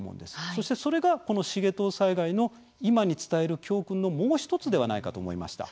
そしてそれがこの繁藤災害の今に伝える教訓のもう１つではないかと思いました。